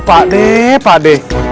pak d pak d